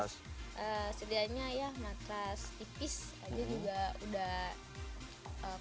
sedianya ya matras tipis aja juga udah